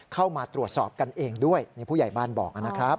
เข้ามาตรวจสอบกันเองด้วยนี่ผู้ใหญ่บ้านบอกนะครับ